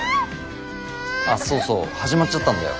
ああそうそう始まっちゃったんだよ